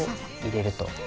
入れると。